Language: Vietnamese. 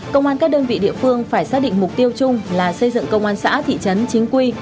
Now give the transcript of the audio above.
công an các đơn vị địa phương phải xác định mục tiêu chung là xây dựng công an xã thị trấn chính quy